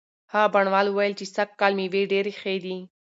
هغه بڼوال وویل چې سږکال مېوې ډېرې ښې دي.